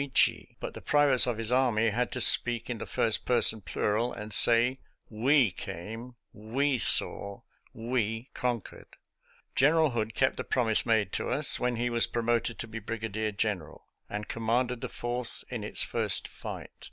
Caesar could say, " Vent, vidi, vici," but the privates of his army had to speak in the first person plural, and say, " We came, we saw, vye conquered." General Hood kept the promise made to us when he was promoted to be brigadier general, and commanded the Fourth in its first fight.